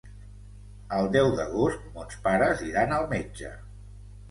El deu d'agost mons pares iran al metge.